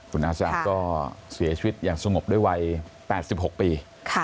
คุณอาสาก็เสียชีวิตอย่างสงบด้วยวัย๘๖ปี